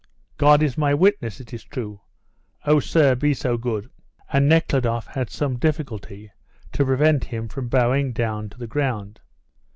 "God is my witness it is true. Oh, sir, be so good " and Nekhludoff had some difficulty to prevent him from bowing down to the ground.